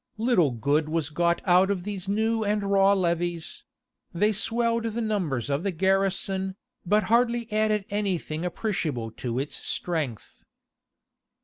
Little good was got out of these new and raw levies; they swelled the numbers of the garrison, but hardly added anything appreciable to its strength.